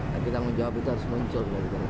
tapi tanggung jawab itu harus muncul dari ketika musti